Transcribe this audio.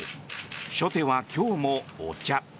初手は今日もお茶。